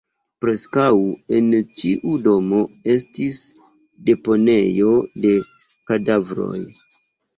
Preskaŭ en ĉiu domo estis deponejo de kadavroj.